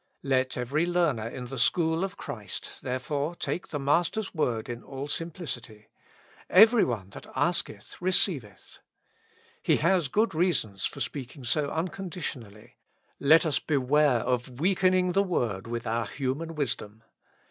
Let every learner in the school of Christ therefore take the Master's word in all simplicity : Every one that asketh, receiv eth. He had good reasons for speaking so uncondi tionally. Let us beware of weakening the Word with our human wisdom.